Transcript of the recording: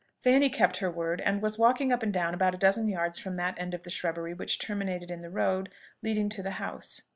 Fanny kept her word, and was walking up and down about a dozen yards from that end of the shrubbery which terminated in the road leading to the house.